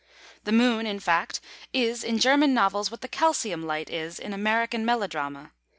The Moon, in fact, is in German novels what the calcium light is in American melodrama.